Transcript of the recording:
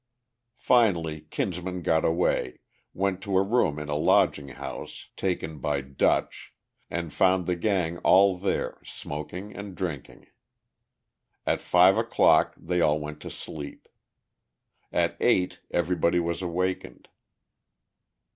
Finally Kinsman got away, went to a room in a lodging house taken by "Dutch," and found the gang all there smoking and drinking. At five o'clock they all went to sleep. At eight everybody was awakened.